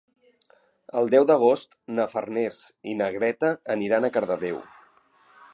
El deu d'agost na Farners i na Greta aniran a Cardedeu.